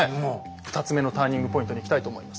２つ目のターニングポイントにいきたいと思います。